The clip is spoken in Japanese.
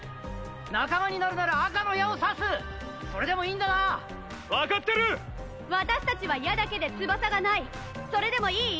仲間になるなら赤の矢を刺すそれでもいいんだな分かってる私達は矢だけで翼がないそれでもいい？